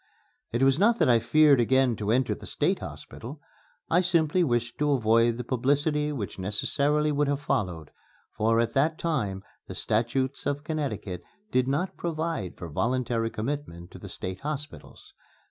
It was not that I feared again to enter the State Hospital. I simply wished to avoid the publicity which necessarily would have followed, for at that time the statutes of Connecticut did not provide for voluntary commitment to the state hospitals.